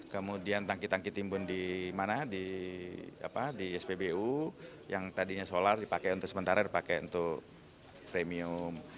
kemudian tangki tangki timbun di mana di spbu yang tadinya solar dipakai untuk sementara dipakai untuk premium